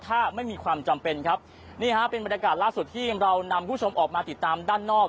ถ้าไม่มีความจำเป็นครับนี่ฮะเป็นบรรยากาศล่าสุดที่เรานำผู้ชมออกมาติดตามด้านนอก